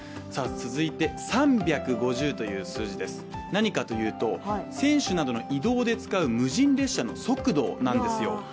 続いて３５０という数字です、何かというと選手などの移動で使う無人列車の速度なんですよ。